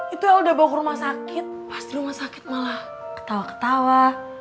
itu yang udah bawa ke rumah sakit pas di rumah sakit malah ketawa ketawa